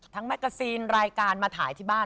แมกกาซีนรายการมาถ่ายที่บ้าน